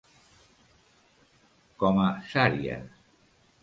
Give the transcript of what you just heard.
Com a sàries.